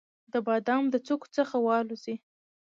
د بام د څوکو څخه والوزي،